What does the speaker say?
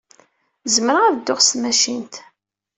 Zemreɣ ad dduɣ s tmacint.